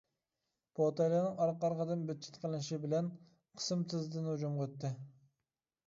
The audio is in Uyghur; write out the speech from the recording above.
پوتەيلەرنىڭ ئارقا-ئارقىدىن بىتچىت قىلىنىشى بىلەن قىسىم تىزدىن ھۇجۇمغا ئۆتتى.